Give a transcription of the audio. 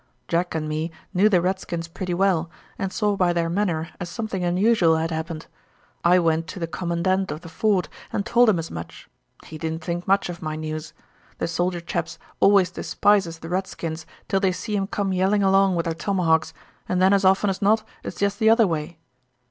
Jack and me knew the redskins pretty well, and saw by their manner as something unusual had happened. I went to the commandant of the fort and told him as much. He didn't think much of my news. The soldier chaps always despises the redskins till they see 'em come yelling along with their tomahawks, and then as often as not it's jest the other way.